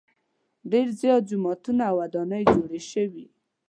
ډېر زیات جوماتونه او ودانۍ جوړې شوې.